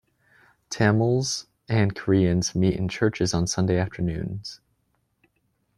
Tamils and Koreans meet in churches on Sunday afternoons.